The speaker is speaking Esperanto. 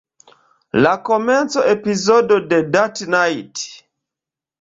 La komenca epizodo de "That Night!